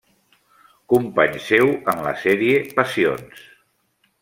Company seu en la sèrie Passions.